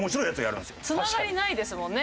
つながりないですもんね